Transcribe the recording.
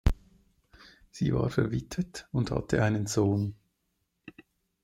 Sie war verwitwet und hatte einen Sohn.